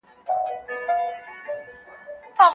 پښتو ژبه زموږ د زړونو اواز دی